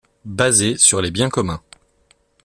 basés sur les biens communs